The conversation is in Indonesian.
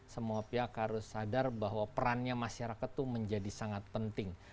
semua pihak harus sadar bahwa perannya masyarakat itu menjadi sangat penting